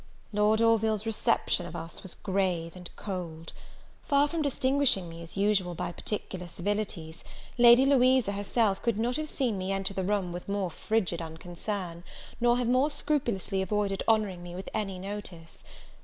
Lord Orville's reception of us was grave and cold: far from distinguishing me, as usual, by particular civilities, Lady Louisa herself could not have seen me enter the room with more frigid unconcern, nor have more scrupulously avoided honouring me with any notice.